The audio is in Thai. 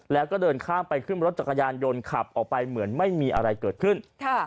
แล้วก็เดินข้ามไปขึ้นรถจักรยานยนต์ขับออกไปเหมือนไม่มีอะไรเกิดขึ้น